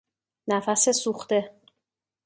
نفس سوخته